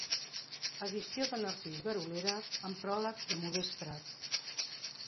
Edició de Narcís Garolera amb pròleg de Modest Prats.